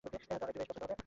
তার এটা বেশ পছন্দ হবে।